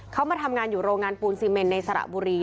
เขามาทำงานอยู่โรงงานปูนซีเมนในสระบุรี